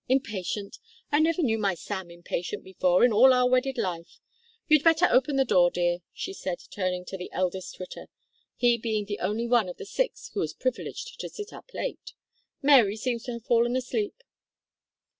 Impatient! I never knew my Sam impatient before in all our wedded life. You'd better open the door, dear," she said, turning to the eldest Twitter, he being the only one of the six who was privileged to sit up late, "Mary seems to have fallen asleep."